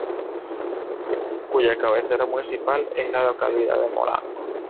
Cuya cabecera municipal es la localidad de Molango.